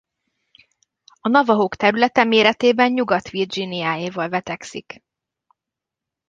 A navahók területe méretében Nyugat-Virginiáéval vetekszik.